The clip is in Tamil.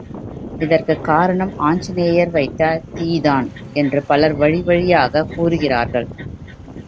இதற்குக் காரணம் ஆஞ்சநேயர் வைத்த தீதான் என்று பலர் வழிவழியாகக் கூறுகிறார்கள்.